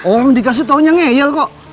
orang dikasih tahunya ngeyel kok